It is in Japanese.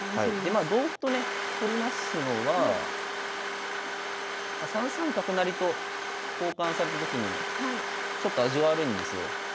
でまあ同歩とね取りますのは３三角成と交換されたときにちょっと味悪いんですよ。